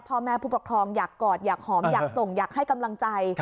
พ่อแม่ผู้ปกครองอยากกอดอยากหอมอยากส่งอยากให้กำลังใจ